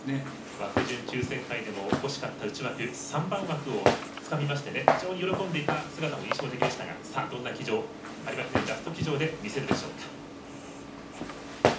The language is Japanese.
枠順抽選会でも欲しかった内枠３番枠をつかみまして非常に喜んでいた姿も印象的でしたがどんな騎乗、有馬記念ラスト騎乗で見せるでしょうか。